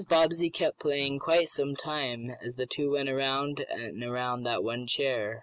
Bobbsey kept playing quite some time, as the two went around and around that one chair.